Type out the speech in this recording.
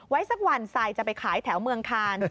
ไว้สักวันซายจะไปขายแถวเมืองการ์น